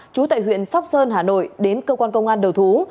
chú tại huyện sóc sơn hà nội đến cơ quan công an đầu thú